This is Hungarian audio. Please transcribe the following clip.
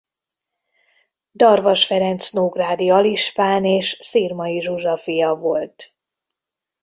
Darvas Ferenc nógrádi alispán és Szirmay Zsuzsa fia volt.